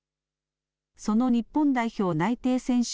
その日本代表内定選手